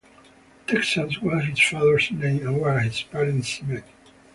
Texas was his father's name and where his parents met.